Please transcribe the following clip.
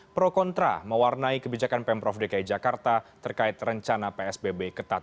pro kontra mewarnai kebijakan pemprov dki jakarta terkait rencana psbb ketat